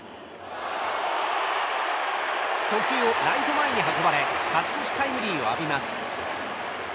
初球をライト前に運ばれ勝ち越しタイムリーを浴びます。